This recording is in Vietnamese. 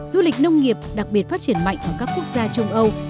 du lịch nông nghiệp đặc biệt phát triển mạnh ở các quốc gia châu âu